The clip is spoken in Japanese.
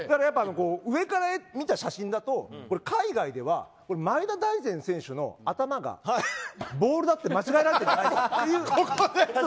上から見た写真だと海外では前田大然選手の頭がボールだって間違えられてるんじゃないかという。